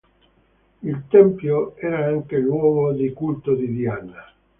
Il tempio era anche luogo di culto di Diana.